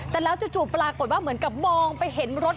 แต่แล้วจู่ปรากฏว่าเหมือนกับมองไปเห็นรถ